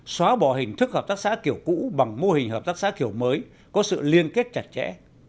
xóa bỏ hình thức hợp tác xã kiểu cũ bằng mô hình hợp tác xã kiểu mới có sự liên kết chặt chẽ